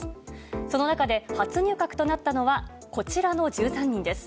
その中で、初入閣となったのは、こちらの１３人です。